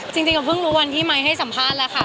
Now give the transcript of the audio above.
จริงก็เพิ่งรู้วันที่ไมค์ให้สัมภาษณ์แล้วค่ะ